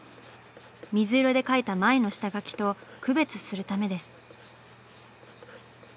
水色で描いた前の下描きと区別するためです。